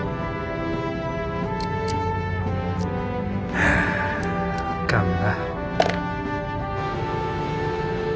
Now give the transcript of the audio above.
はああかんな。